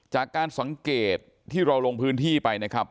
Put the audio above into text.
จากการสังเกตที่เราลงพื้นที่ไปนะครับ